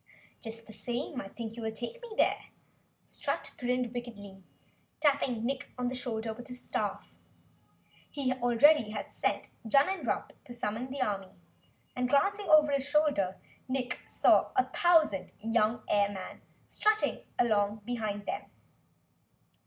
"Just the same I think you will take me there!" Strut grinned wickedly, tapping Nick on the shoulder with his staff. He already had sent Junnenrump to summon the army, and, glancing over his shoulder, Nick saw a thousand young airmen strutting along behind them.